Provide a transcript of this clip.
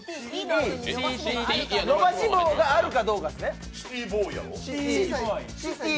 伸ばし棒があるかどうかですね。